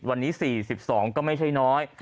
วันนี้๔๒ก็ไม่ใช่น้อย